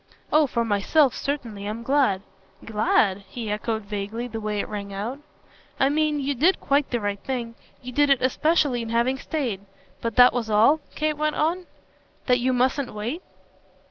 "Oh for myself certainly I'm glad." "'Glad'?" he echoed vaguely the way it rang out. "I mean you did quite the right thing. You did it especially in having stayed. But that was all?" Kate went on. "That you mustn't wait?"